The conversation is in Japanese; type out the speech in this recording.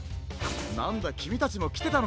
なんだきみたちもきてたのか。